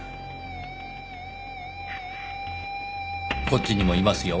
こっちにもいますよ